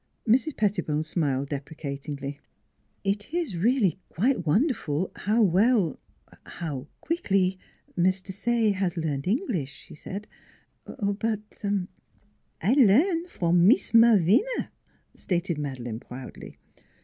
Mrs. Pettibone smiled deprecatingly. 208 NEIGHBORS " It is really quite wonderful how well how quickly Miss Desaye has learned English," she said; "but "" I learn from Mees Malvina," stated Made leine proudly.